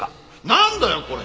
なんだよこれ！